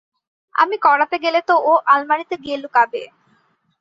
আমি করাতে গেলে তো ও আলমারিতে গিয়ে লুকাবে।